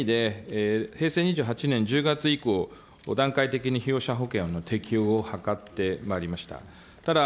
そういった意味で、平成２８年１０月以降、段階的に被用者保険の適用を図ってまいりました。